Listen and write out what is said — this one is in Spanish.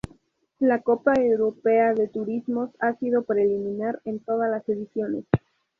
La Copa Europea de Turismos ha sido preliminar en todas las ediciones.